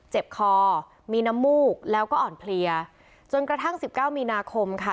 เจ็บคอมีน้ำมูกแล้วก็อ่อนเพลียจนกระทั่งสิบเก้ามีนาคมค่ะ